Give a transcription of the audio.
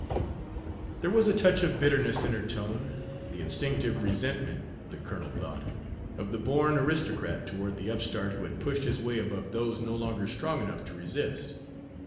There was a touch of bitterness in her tone, the instinctive resentment (the colonel thought) of the born aristocrat toward the upstart who had pushed his way above those no longer strong enough to resist.